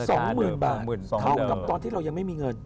สองหมื่นบาทเท่ากับตอนที่เรายังไม่มีเงิน